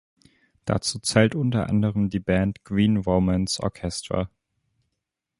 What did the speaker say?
Dazu zählt unter anderem die Band Green Romance Orchestra.